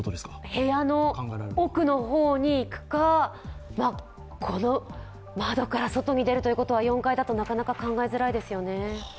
部屋の奥の方に行くか、窓から外に出るということは、４階だとなかなか考えづらいですよね。